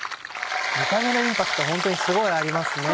見た目のインパクトホントにすごいありますね。